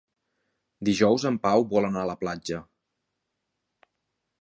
Dijous en Pau vol anar a la platja.